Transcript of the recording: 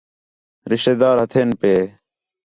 رشتہ دار ہتھین پئے